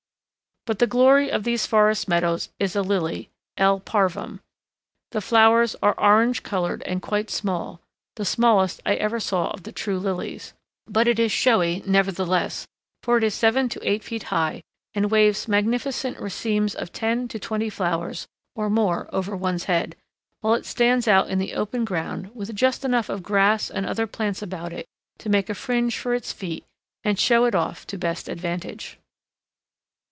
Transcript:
But the glory of these forest meadows is a lily—L. parvum. The flowers are orange colored and quite small, the smallest I ever saw of the true lilies; but it is showy nevertheless, for it is seven to eight feet high and waves magnificent racemes of ten to twenty flowers or more over one's head, while it stands out in the open ground with just enough of grass and other plants about it to make a fringe for its feet and show it off to best advantage.